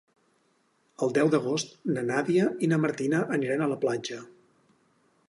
El deu d'agost na Nàdia i na Martina aniran a la platja.